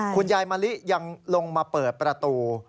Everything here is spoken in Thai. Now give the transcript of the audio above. คุณยายมะลิยังลงมาเปิดประตู